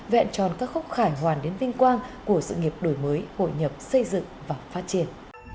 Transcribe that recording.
vẹn tròn các khúc khải hoàn đến vinh quang của sự nghiệp đổi mới hội nhập xây dựng và phát triển